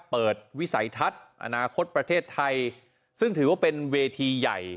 วิสัยทัศน์อนาคตประเทศไทยซึ่งถือว่าเป็นเวทีใหญ่